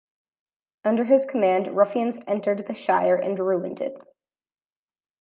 Under his command ruffians entered The Shire and ruined it.